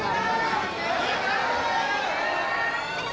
สวัสดีครับ